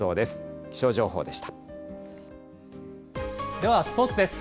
では、スポーツです。